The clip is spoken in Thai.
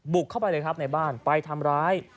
เข้าไปเลยครับในบ้านไปทำร้าย